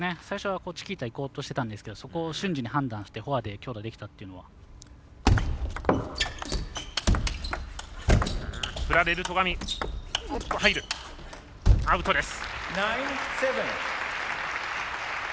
最初はチキータいこうとしてたんですけどそこを瞬時に判断してフォアで強打できたというのは。アウト。